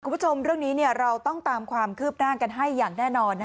คุณผู้ชมเรื่องนี้เราต้องตามความคืบหน้ากันให้อย่างแน่นอน